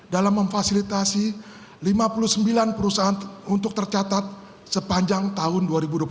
dalam memfasilitasi lima puluh sembilan perusahaan untuk tercatat sepanjang tahun dua ribu dua puluh satu